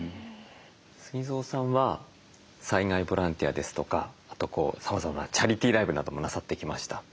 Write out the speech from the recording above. ＳＵＧＩＺＯさんは災害ボランティアですとかあとさまざまなチャリティーライブなどもなさってきました。